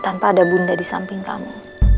tanpa ada bunda di samping kamu